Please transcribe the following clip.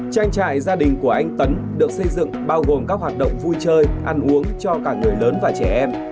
trang trại gia đình của anh tấn được xây dựng bao gồm các hoạt động vui chơi ăn uống cho cả người lớn và trẻ em